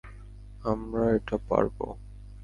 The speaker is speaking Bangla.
আমরা এটা পারবো।